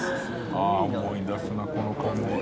ああ思い出すなこの感じ。